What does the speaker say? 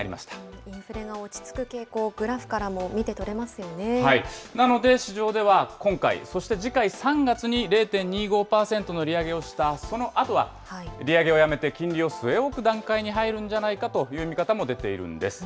インフレが落ち着く傾向、なので市場では今回、そして次回３月に、０．２５％の利上げをしたそのあとは、利上げをやめて金利を据え置く段階に入るんじゃないかという見方も出ているんです。